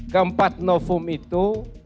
keempat novum itu